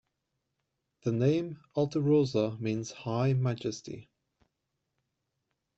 The name Alterosa means "High Majesty".